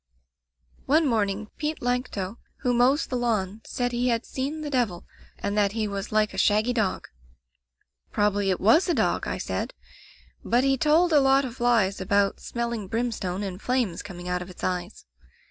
"One morning Pete Lancto, who mows the lawn, said he had seen the devil, and that he was like a shaggy dog. "* Probably it was a dog!' I said. But he told a lot of lies about smelling brimstone and flames coming out of its eyes.